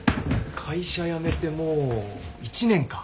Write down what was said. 会社辞めてもう１年か。